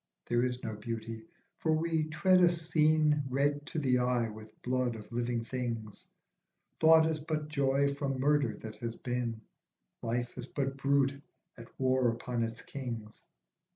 There is no beauty, for we tread a scene Red to the eye with blood of living things ; Thought is but joy from murder that has been, Life is but brute at war upon its kings.